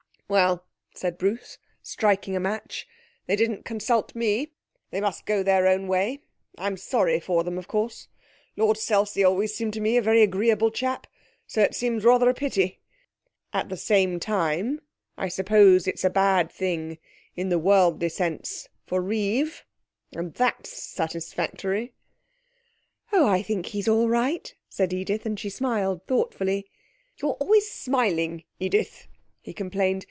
'Well,' said Bruce, striking a match, 'they didn't consult me! They must go their own way. I'm sorry for them, of course. Lord Selsey always seemed to me a very agreeable chap, so it seems rather a pity. At the same time, I suppose it's a bad thing in the worldly sense for Reeve, and that's satisfactory.' 'Oh! I think he's all right, said Edith, and she smiled thoughtfully. 'You're always smiling, Edith,' he complained.